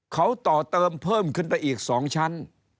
เขาต่อเติมเพิ่มขึ้นไปอีก๒ชั้น